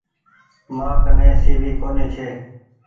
مآ ڪني سي وي ڪونيٚ ڇي۔